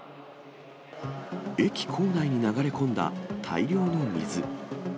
駅構内に流れ込んだ大量の水。